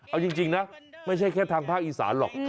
เอาจริงนะไม่ใช่แค่ทางภาคอีสานหรอก